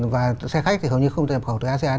và xe khách thì hầu như không thể nhập khẩu từ asean